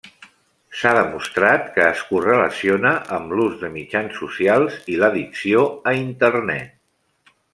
S'ha demostrat que es correlaciona amb l'ús de mitjans socials i l'addicció a Internet.